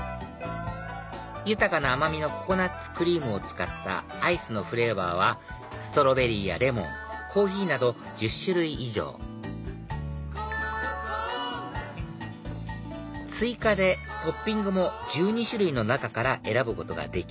豊かな甘みのココナツクリームを使ったアイスのフレーバーはストロベリーやレモンコーヒーなど１０種類以上追加でトッピングも１２種類の中から選ぶことができ